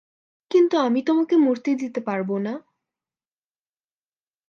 কিন্তু আমি তোমাকে মরতে দিতে পারবোনা।